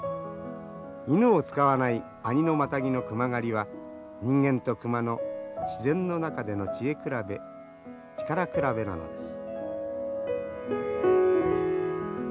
犬を使わない阿仁のマタギの熊狩りは人間と熊の自然の中での知恵比べ力比べなのです。